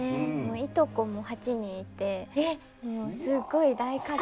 いとこも８人いてもうすごい大家族。